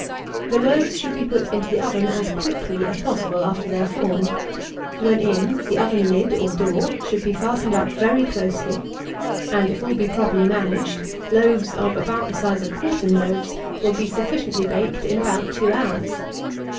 The loaves should be put into the oven as quickly as possible after they are formed; when in, the oven lid, or door, should be fastened up very closely; and, if all be properly managed, loaves of about the size of quartern loaves will be sufficiently baked in about two hours.